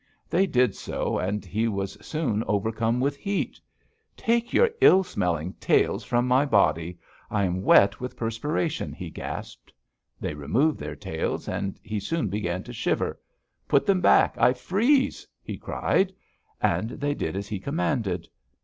"They did so, and he was soon overcome with heat: 'Take your ill smelling tails from my body; I am wet with perspiration!' he gasped. They removed their tails and he soon began to shiver. 'Put them back! I freeze!' he cried; and they did as he commanded.